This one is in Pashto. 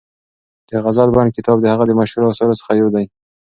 د غزل بڼ کتاب د هغه د مشهورو اثارو څخه یو دی.